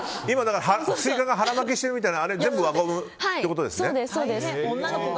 スイカが腹巻きしてるみたいなやつは全部輪ゴムってことですね。